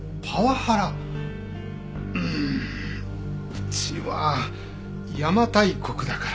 うーんうちは邪馬台国だから。